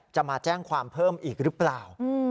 จะมาแจ้งความเพิ่มอีกหรือเปล่า